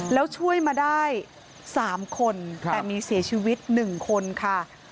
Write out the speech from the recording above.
แล้วช่วยมาได้๓คนแต่มีเสียชีวิต๑คนค่ะ